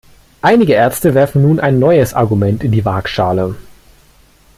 Einige Ärzte werfen nun ein neues Argument in die Waagschale.